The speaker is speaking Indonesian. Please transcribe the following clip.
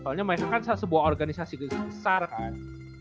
soalnya mereka kan sebuah organisasi besar kan